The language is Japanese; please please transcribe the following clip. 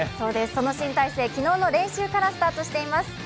その新体制、昨日の練習からスタートしています。